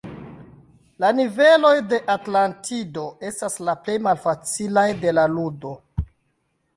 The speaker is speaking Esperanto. La niveloj de Atlantido estas la plej malfacilaj de la ludo.